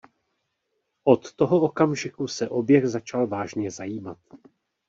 Od toho okamžiku se o běh začal vážně zajímat.